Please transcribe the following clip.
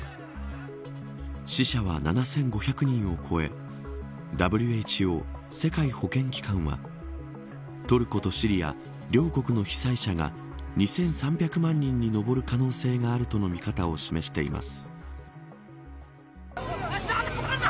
死者は７５００人を超えＷＨＯ、世界保健機関はトルコとシリア両国の被災者が２３００万人に上る可能性があるとの見方を示しています。